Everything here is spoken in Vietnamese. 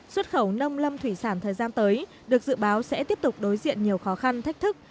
xuất khẩu nông lâm thủy sản thời gian tới được dự báo sẽ tiếp tục đối diện nhiều khó khăn thách thức